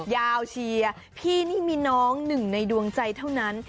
ยาวเชียร์พี่นี่มีน้องหนึ่งในดวงใจเท่านั้น